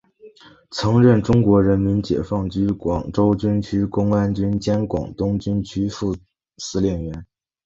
曾任中国人民解放军广州军区公安军兼广东军区副司令员。